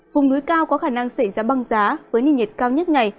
vùng núi cao có khả năng xảy ra băng giá với nền nhiệt cao nhất ngày